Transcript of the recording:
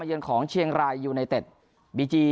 วันพ